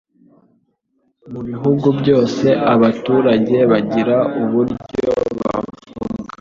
Mu bihugu byose abaturage bagira uburyo bavuga